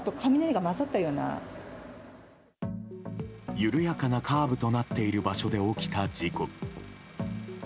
緩やかなカーブとなっている場所で起きた事故。